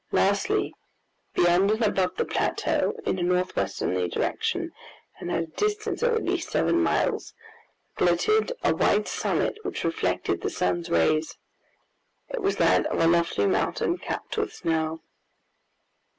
Lastly, beyond and above the plateau, in a northwesterly direction and at a distance of at least seven miles, glittered a white summit which reflected the sun's rays. It was that of a lofty mountain, capped with snow.